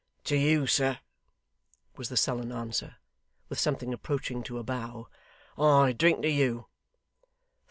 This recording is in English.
'To you, sir,' was the sullen answer, with something approaching to a bow. 'I drink to you.